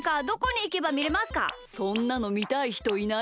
そんなのみたいひといないよ。